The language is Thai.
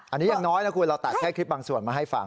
อันนี้ยังน้อยนะคุณเราตัดแค่คลิปบางส่วนมาให้ฟัง